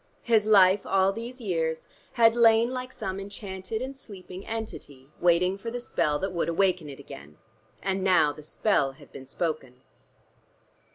His life, all these years, had lain like some enchanted and sleeping entity, waiting for the spell that would awaken it again. Now the spell had been spoken.